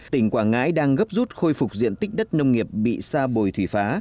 tỉnh quảng ngãi đang gấp rút khôi phục diện tích đất nông nghiệp bị sa bùi thủy phá